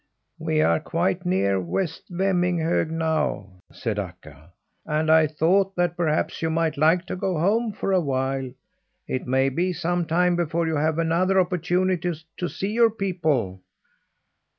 "We are quite near West Vemminghög now," said Akka, "and I thought that perhaps you might like to go home for awhile. It may be some time before you have another opportunity to see your people."